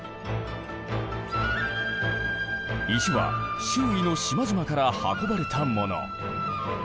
石は周囲の島々から運ばれたもの。